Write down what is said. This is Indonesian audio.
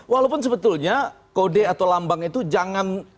walaupun sebetulnya kode atau lambang itu jangan